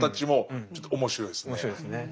面白いですね。